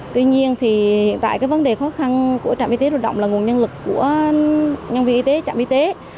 tuy nhiên hiện tại vấn đề khó khăn của trạm y tế lưu động là nguồn nhân lực của nhân viên y tế trạm y tế